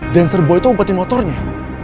dancer boy itu ngumpetin motornya